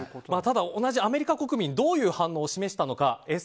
ただ、同じアメリカ国民どういう反応を示したのか。